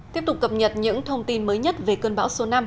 tiếp tục cập nhật những thông tin mới nhất về cơn bão số năm